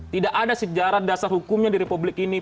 tidak ada sejarah dasar hukumnya di republik ini